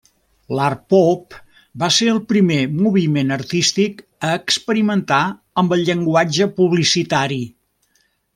L'art pop va ser el primer moviment artístic a experimentar amb el llenguatge publicitari.